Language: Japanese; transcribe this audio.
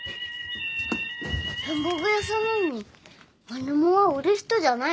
文房具屋さんなのにマルモは売る人じゃないの？